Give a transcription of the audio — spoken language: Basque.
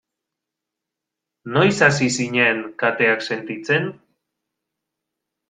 Noiz hasi zinen kateak sentitzen?